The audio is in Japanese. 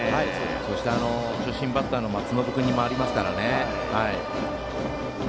そして、中心バッターの松延君に回りますからね。